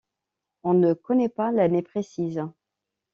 On ne connaît pas l'année précise.